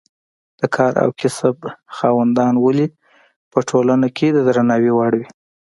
د کار او کسب خاوندان ولې په ټولنه کې د درناوي وړ وي.